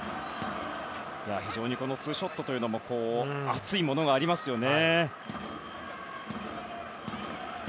非常にこのツーショットも熱いものがありますね。